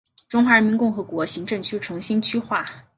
中华人民共和国行政区重新区划。